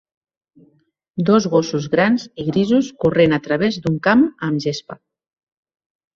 Dos gossos grans i grisos corrent a través d'un camp amb gespa.